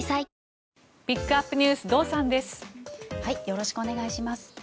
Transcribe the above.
よろしくお願いします。